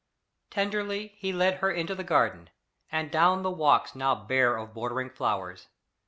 Tenderly he led her into the garden, and down the walks now bare of bordering flowers.